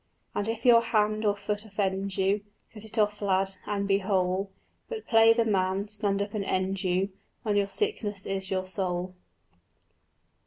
And if your hand or foot offend you, Cut it off, lad, and be whole; But play the man, stand up and end you, When your sickness is your soul.